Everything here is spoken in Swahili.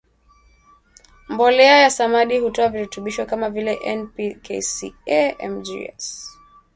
Mbolea ya Samadi hutoa virutubisho kama vile N P K Ca Mg S